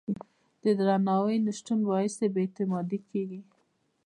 د درناوي نه شتون باعث بې اعتمادي کېږي.